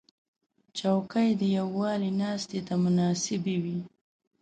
چوکۍ د یووالي ناستې ته مناسب وي.